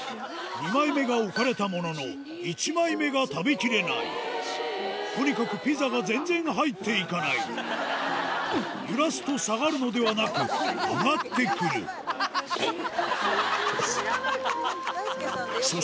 ２枚目が置かれたものの１枚目が食べきれないとにかくピザが全然入っていかない揺らすと下がるのではなく上がってくる知らない顔。